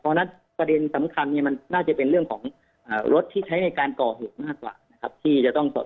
เพราะฉะนั้นการสำคัญเนี่ยน่าจะเป็นเรื่องของรถใช้ในการก่อเหตุมากกว่าที่จะต้องต่อสาว